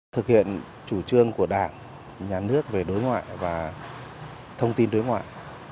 thực hiện chủ trương của đảng nhà nước về đối ngoại và thông tin đối ngoại